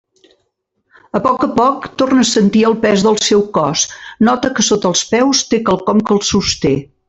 A poc a poc torna a sentir el pes del seu cos, nota que sota els peus té quelcom que el sosté.